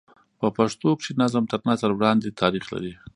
په پښتو کښي نظم تر نثر وړاندي تاریخ لري.